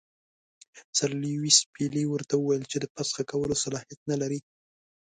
سر لیویس پیلي ورته وویل چې د فسخ کولو صلاحیت نه لري.